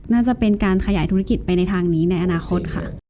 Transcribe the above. น่าจะเป็นการขยายธุรกิจไปในทางนี้ในอนาคตค่ะ